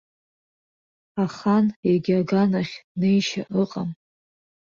Ахан егьи аган ахь неишьа ыҟам.